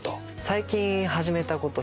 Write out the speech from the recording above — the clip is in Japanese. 最近始めたこと。